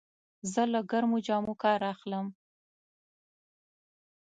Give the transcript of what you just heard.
زه له ګرمو جامو کار اخلم.